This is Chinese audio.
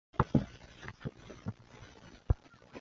所以丽莎把班德到弗林克教授的实验室。